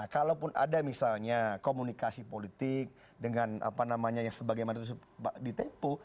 kalaupun ada misalnya komunikasi politik dengan apa namanya yang sebagai mana itu di tempo